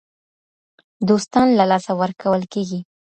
دوستان له لاسه ورکول کیږي.